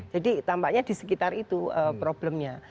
jadi tampaknya di sekitar itu problemnya